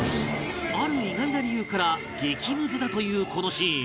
ある意外な理由から激ムズだというこのシーン